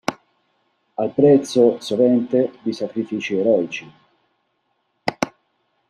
Al prezzo, sovente, di sacrifici eroici.